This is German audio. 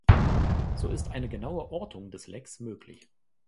So ist eine genaue Ortung des Lecks möglich.